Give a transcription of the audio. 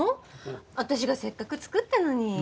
私がせっかく作ったのに。